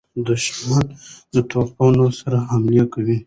دښمن د توپونو سره حمله وکړه.